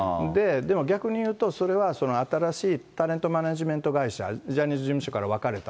逆に言うと、それは新しいタレントマネジメント会社、ジャニーズ事務所から分かれた、